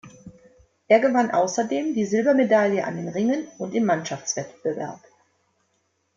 Er gewann ausserdem die Silbermedaille an den Ringen und im Mannschaftswettbewerb.